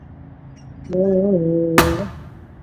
丑妮子。